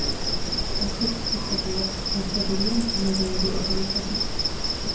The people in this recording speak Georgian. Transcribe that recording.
კალთები ციცაბოა, დასერილია მდინარე ენგურის შენაკადებით.